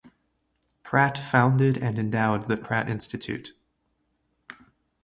Pratt founded and endowed the Pratt Institute.